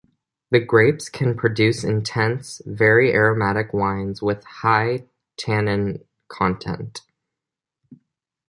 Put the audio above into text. The grapes can produce intense, very aromatic wines with high tannin content.